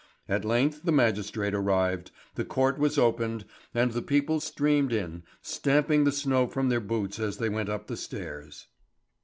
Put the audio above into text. At length the magistrate arrived, the court was opened, and the people streamed in, stamping the snow from their boots as they went up the stairs.